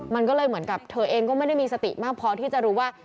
มันก็เลยเหมือนกับเธอเองก็ไม่ได้มีสติมากพอที่จะรู้ว่า